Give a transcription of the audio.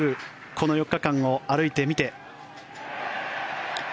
この４日間を歩いてみて。